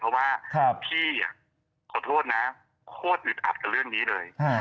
เพราะว่าพี่ขอโทษนะโคตรอึดอัดกับเรื่องนี้เลย